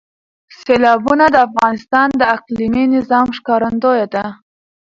سیلابونه د افغانستان د اقلیمي نظام ښکارندوی ده.